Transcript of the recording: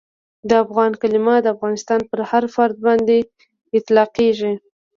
د افغان کلیمه د افغانستان پر هر فرد باندي اطلاقیږي.